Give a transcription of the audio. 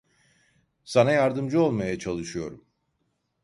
Sana yardımcı olmaya çalışıyorum.